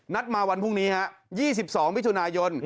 นัดมาวันพรุ่งนี้ฮะ๒๒มิถุนายน